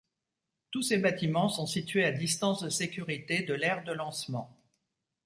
Tous ces bâtiments sont situés à distance de sécurité de l'aire de lancement.